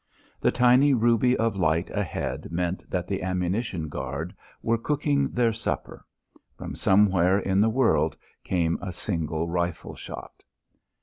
The tiny ruby of light ahead meant that the ammunition guard were cooking their supper. From somewhere in the world came a single rifle shot.